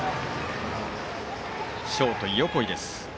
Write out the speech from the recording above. ショート、横井です。